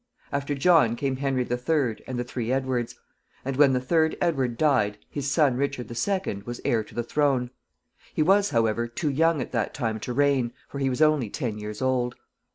After John came Henry III. and the three Edwards; and when the third Edward died, his son Richard II. was heir to the throne. He was, however, too young at that time to reign, for he was only ten years old.